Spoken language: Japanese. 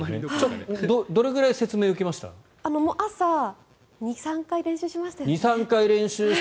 どれぐらい説明受けました？